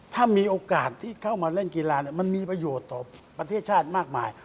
ถ้ามีโอกาสที่เข้ามาเล่นกีฬามันมีประโยชน์ต่อประเทศชาติมากมาย